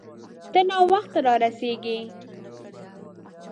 ته ناوخته را رسیږې